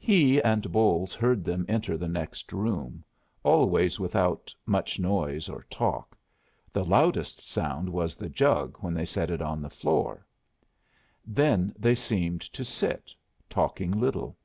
He and Bolles heard them enter the next room, always without much noise or talk the loudest sound was the jug when they set it on the floor. Then they seemed to sit, talking little.